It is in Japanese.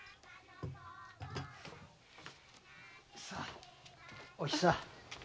さあおひさ。